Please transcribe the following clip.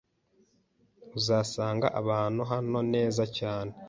Uzasanga abantu hano neza cyane.